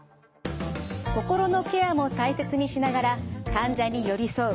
心のケアも大切にしながら患者に寄り添う